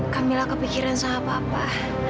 kamila kepikiran sama papa